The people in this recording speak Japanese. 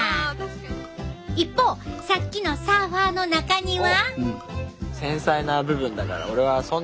一方さっきのサーファーの中には？